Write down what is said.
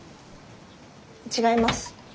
違います。